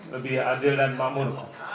lebih adil dan makmur